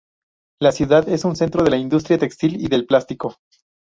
La ciudad es un centro de la industria textil y del plástico.